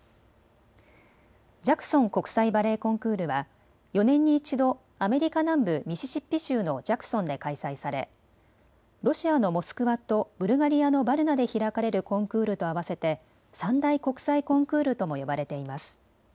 ジャクソン国際バレエコンクールは４年に１度、アメリカ南部ミシシッピ州のジャクソンで開催されロシアのモスクワとブルガリアのバルナで開かれるコンクールと合わせて３大国際コンクールとも呼ばれています。